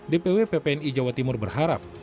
dpw ppni jawa timur berharap